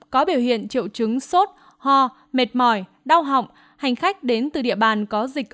có biểu hiện triệu chứng sốt ho mệt mỏi đau họng hành khách đến từ địa bàn có dịch